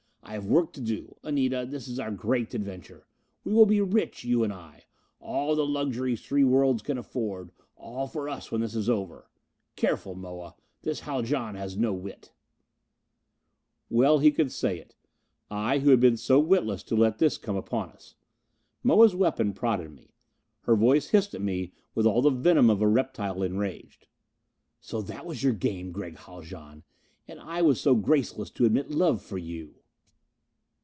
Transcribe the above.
I have work to do, Anita this is our great adventure. We will be rich, you and I. All the luxuries three worlds can offer, all for us when this is over. Careful, Moa! This Haljan has no wit." Well could he say it! I, who had been so witless to let this come upon us! Moa's weapon prodded me. Her voice hissed at me with all the venom of a reptile enraged. "So that was your game, Gregg Haljan! And I was so graceless to admit love for you!"